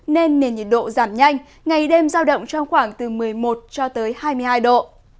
nên nền nhiệt độ giảm nhanh ngày đêm giao động trong khoảng từ một mươi một cho tới hai mươi hai độ